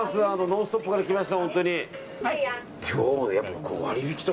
「ノンストップ！」から来ました。